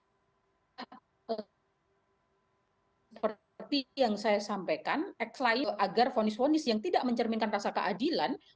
seperti yang saya sampaikan agar vonis vonis yang tidak mencerminkan rasa keadilan